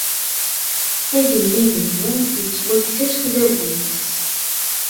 Agellid-nni yettwakkes-as udabu-nnes.